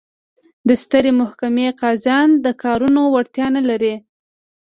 د سترې محکمې قاضیان د کارونو وړتیا نه لري.